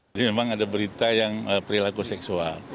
jadi memang ada berita yang perilaku seksual